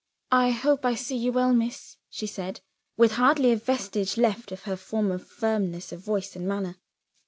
"I hope I see you well, miss," she said with hardly a vestige left of her former firmness of voice and manner.